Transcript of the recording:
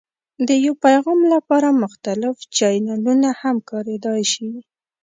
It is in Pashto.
د یو پیغام لپاره مختلف چینلونه هم کارېدای شي.